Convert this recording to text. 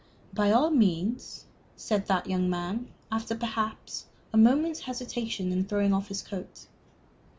"By all means," said that young man, after perhaps a moment's hesitation, and throwing off his coat.